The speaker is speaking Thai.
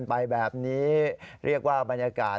นายยกรัฐมนตรีพบกับทัพนักกีฬาที่กลับมาจากโอลิมปิก๒๐๑๖